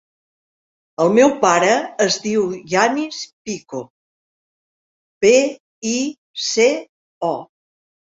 El meu pare es diu Yanis Pico: pe, i, ce, o.